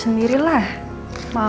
jadi dimarahin kan sama mama